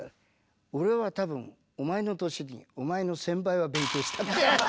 「俺は多分お前の歳にお前の１０００倍は勉強した」。